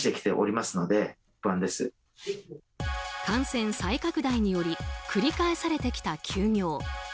感染再拡大により繰り返されてきた休業。